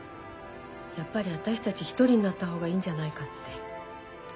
やっぱり私たち１人になった方がいいんじゃないかって。